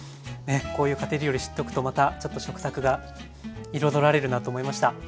こういう家庭料理知っとくとまたちょっと食卓が彩られるなと思いました。